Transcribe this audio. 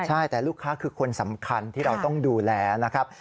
ใช่แต่ลูกค้าคือคนสำคัญที่เราต้องดูแลนะครับ